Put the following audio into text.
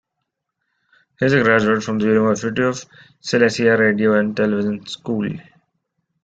He is a graduate from the University of Silesia Radio and Television school.